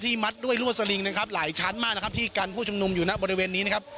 มัดด้วยรวดสลิงนะครับหลายชั้นมากนะครับที่กันผู้ชุมนุมอยู่ณบริเวณนี้นะครับ